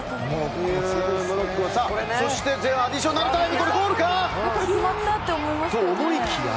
そして前半アディショナルタイムゴールかと思いきや。